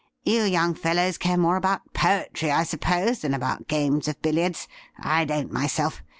You young fellows care more about poetry, I suppose, than about games of billiards. I don't myself.